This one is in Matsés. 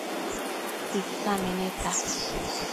Tita meneta